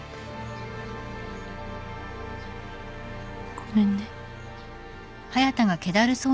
ごめんね。